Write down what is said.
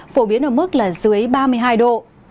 phổ biến ở mức là dưới ba mươi hai độ